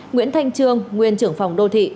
nguyễn thanh trương nguyên trưởng phòng đô thị